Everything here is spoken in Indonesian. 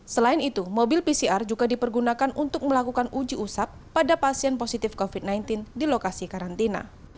selain itu mobil pcr juga dipergunakan untuk melakukan uji usap pada pasien positif covid sembilan belas di lokasi karantina